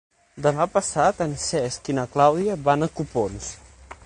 Demà passat en Cesc i na Clàudia van a Copons.